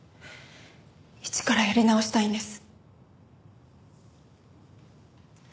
一からやり直したいんです。